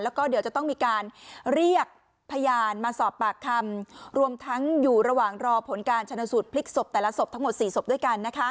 แล้วก็เดี๋ยวจะต้องมีการเรียกพยานมาสอบปากคำรวมทั้งอยู่ระหว่างรอผลการชนสูตรพลิกศพแต่ละศพทั้งหมด๔ศพด้วยกัน